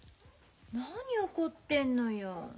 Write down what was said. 何怒ってんのよ。